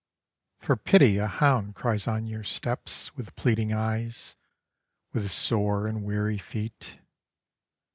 for pity a hound cries on your steps With pleading eyes, with sore and weary feet.